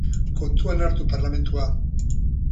Kontuan hartu parlamentua.